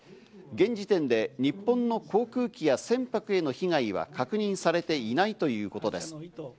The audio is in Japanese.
現時点で日本の航空機や船舶への被害は確認されていないということです。